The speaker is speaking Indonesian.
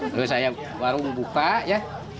lalu saya baru buka ya